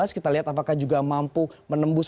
kita lihat apakah juga mampu menembus